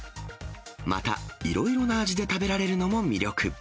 また、いろいろな味で食べられるのも魅力。